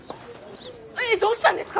えっどうしたんですか！？